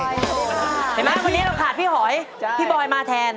เห็นไหมคนนี้เราขาดพี่หอยพี่บอยมาแทน